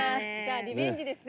リベンジですね。